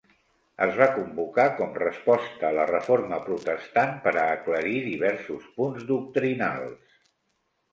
Es va convocar com resposta a la Reforma Protestant per a aclarir diversos punts doctrinals.